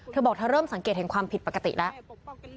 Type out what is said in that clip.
เธอบอกเธอเริ่มสังเกตเห็นความผิดปกติแล้ว